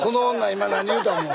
今何言うた思う？